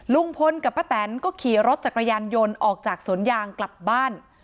ลุงพลกับป้าแตนก็ขี่รถจักรยานยนต์ออกจากสวนยางกลับบ้าน